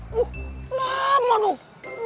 wuh lama dong